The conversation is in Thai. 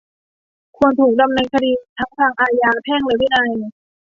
ควรถูกดำเนินคดีทั้งทางอาญา แพ่ง และวินัย